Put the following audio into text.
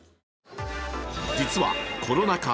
実はコロナ禍